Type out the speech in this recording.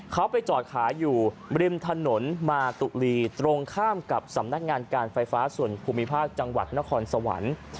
เขาไปจอดขายอยู่ริมถนนมาตุลีตรงข้ามกับสำนักงานการไฟฟ้าส่วนภูมิภาคจังหวัดนครสวรรค์